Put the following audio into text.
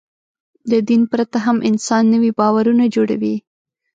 د دین پرته هم انسان نوي باورونه جوړوي.